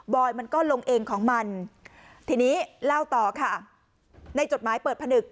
มันก็ลงเองของมันทีนี้เล่าต่อค่ะในจดหมายเปิดผนึก